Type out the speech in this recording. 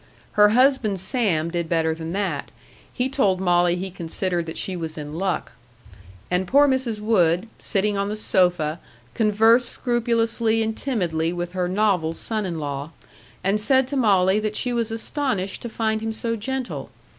Her husband Sam did better than that. He told Molly he considered that she was in luck. And poor Mrs. Wood, sitting on the sofa, conversed scrupulously and timidly with her novel son in law, and said to Molly that she was astonished to find him so gentle.